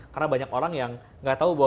karena banyak orang yang gak tahu